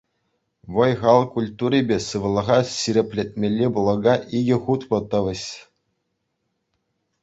Вӑй-хал культурипе сывлӑха ҫирӗплетмелли блока икӗ хутлӑ тӑвӗҫ.